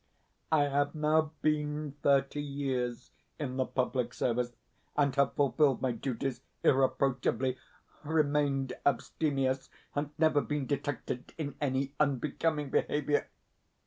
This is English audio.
I have now been thirty years in the public service, and have fulfilled my duties irreproachably, remained abstemious, and never been detected in any unbecoming behaviour.